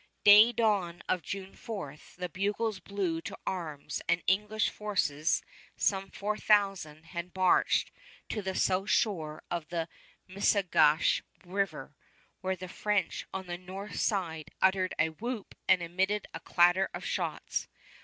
Day dawn of June 4 the bugles blew to arms and the English forces, some four thousand, had marched to the south shore of the Missaguash River, when the French on the north side uttered a whoop and emitted a clatter of shots.